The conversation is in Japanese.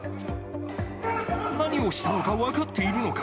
何をしたのか分かっているのか？